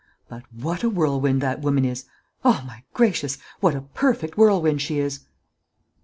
"But what a whirlwind that woman is! O my gracious, what a perfect whirlwind she is!"